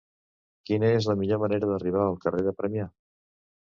Quina és la millor manera d'arribar al carrer de Premià?